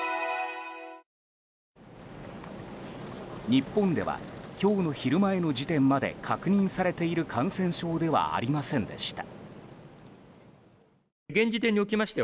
日本では今日の昼前の時点まで確認されている感染症ではありませんでした。